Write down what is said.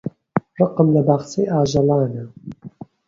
ڕقم لە باخچەی ئاژەڵانە.